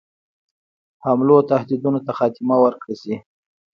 حملو تهدیدونو ته خاتمه ورکړه شي.